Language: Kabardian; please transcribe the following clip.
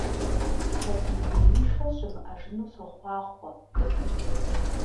Сабий зеиншэ щымыӀэжыну сохъуахъуэ!